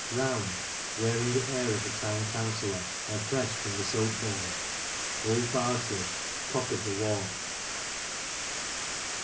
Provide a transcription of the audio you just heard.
Round (wearing the air of a Town Councillor, and fresh from the soap bowl). Old Bardsley (cock of the walk).